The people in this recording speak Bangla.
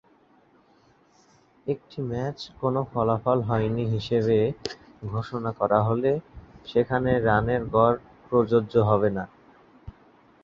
একটি ম্যাচ কোন ফলাফল হয়নি হিসেবে ঘোষণা করা হলে, সেখানে রানের গড় প্রযোজ্য হবে না।